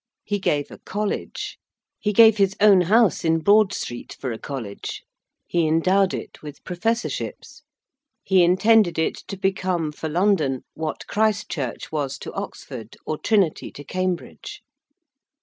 He gave a college: he gave his own house in Broad Street for a college: he endowed it with professorships: he intended it to become for London what Christ Church was to Oxford, or Trinity to Cambridge.